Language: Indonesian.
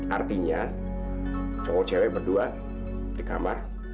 artinya cowok cewek berdua di kamar